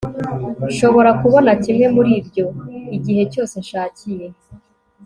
nshobora kubona kimwe muri ibyo igihe cyose nshakiye